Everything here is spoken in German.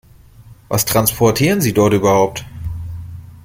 Was transportieren Sie dort überhaupt?